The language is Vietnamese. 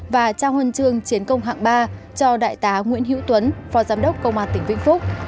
và trao huân chương chiến công hạng ba cho đại tá nguyễn hữu tuấn phó giám đốc công an tỉnh vĩnh phúc